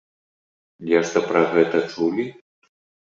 Нешта пра гэта чулі?